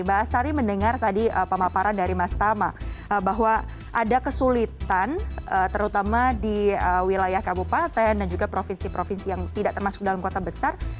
mbak astari mendengar tadi pemaparan dari mas tama bahwa ada kesulitan terutama di wilayah kabupaten dan juga provinsi provinsi yang tidak termasuk dalam kota besar